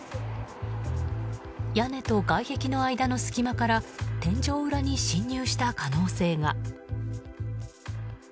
屋根と外壁の間の隙間から天井裏に侵入した可能性が。